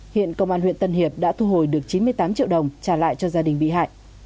hiện công an huyện tân hiệp đã thu hồi được chín mươi tám triệu đồng trả lại cho gia đình bị hại